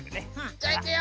じゃあいくよ！